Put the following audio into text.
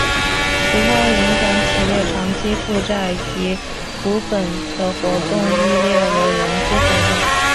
其他影响企业长期负债及股本的活动亦列为融资活动。